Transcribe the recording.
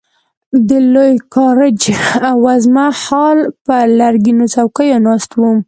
د لوی ګاراج وزمه هال پر لرګینو څوکیو ناست وو.